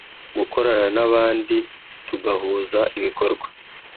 “Gukorana n’abandi tugahuza ibikorwa